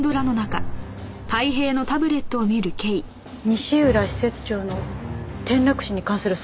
西浦施設長の転落死に関する捜査情報ですよね。